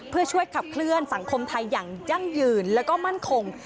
เพื่อช่วยขับเคลื่อนสังคมไทยอย่างยั่งยืนแล้วก็มั่นคง